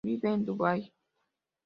Vive en Dubai.